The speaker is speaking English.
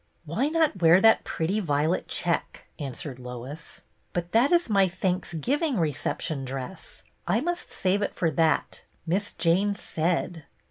"Why not wear that pretty violet check?" answered Lois. " But that is my Thanksgiving reception dress. I must save it for that. Miss Jane said."